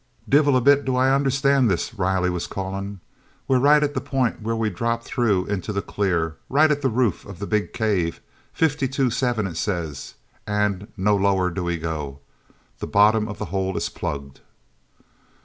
"Divil a bit do I understand this," Riley was calling. "We're right at the point where we dropped through into the clear. Right at the roof of the big cave—fifty two seven, it says—and no lower do we go. The bottom of the hole is plugged!"